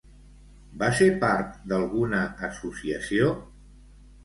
Va ser part d'alguna associació?